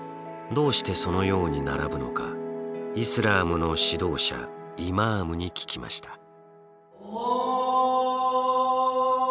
どうしてそのように並ぶのかイスラームの指導者イマームに聞きました。